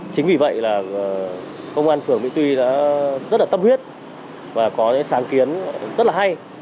chính vì vậy là công an phường mỹ tuy đã rất là tâm huyết và có những sáng kiến rất là hay